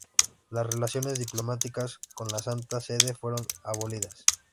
Las relaciones diplomáticas con la Santa Sede fueron abolidas.